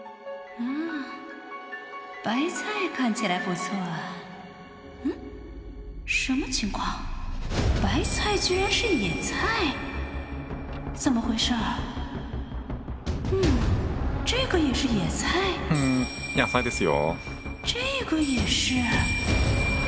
ふん野菜ですよ。